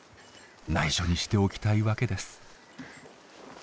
内緒にしておきたいわけです。